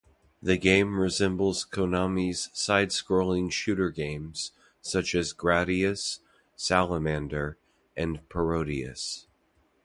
The game resembles Konami's side-scrolling shooter games such as "Gradius", "Salamander" and "Parodius".